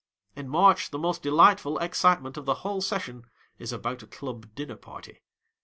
In March, the most delightful excitement of the whole session is about a club dinner party.